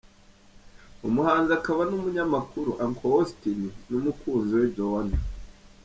Umuhanzi akaba n’umunyamakuru Uncle Austin n’umukunzi we Joannah.